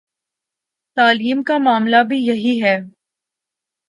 تعلیم کا معاملہ بھی یہی ہے۔